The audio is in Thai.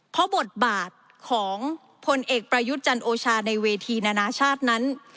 เพราะบทบาทของพลเอกประยุทธ์จันโอชาในเวทีนานาชาตินั้น